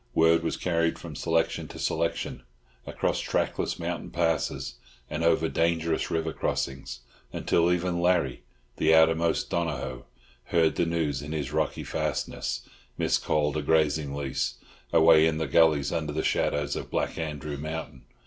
Word was carried from selection to selection, across trackless mountain passes, and over dangerous river crossings, until even Larry, the outermost Donohoe, heard the news in his rocky fastness, miscalled a grazing lease, away in the gullies under the shadows of Black Andrew mountain.